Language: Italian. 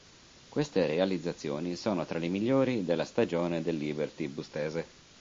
Queste realizzazioni sono tra le migliori della stagione del Liberty bustese.